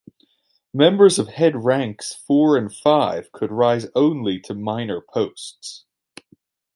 Members of head ranks four and five could rise only to minor posts.